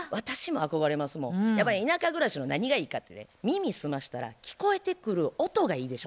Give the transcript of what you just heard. やっぱり田舎暮らしの何がいいかって耳澄ましたら聞こえてくる音がいいでしょ。